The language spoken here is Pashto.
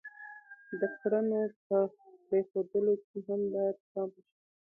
د کړنو په پرېښودلو کې هم باید پام وشي.